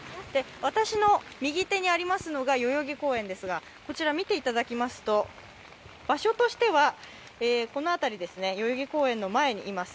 私の右手にありますのが代々木公園ですがこちら見ていただきますと場所としてはこの辺り代々木公園の前にいます。